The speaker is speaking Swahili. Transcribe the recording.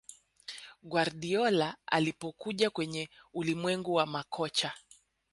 Guardiola alipokuja kwenye ulimwengu wa makocha